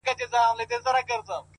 اوس به ورته ډېر .ډېر انـتـظـار كوم.